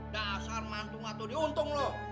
dah asal mantungat tuh diuntung lo